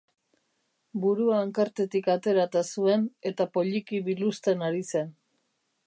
Burua hankartetik aterata zuen, eta poliki biluzten ari zen.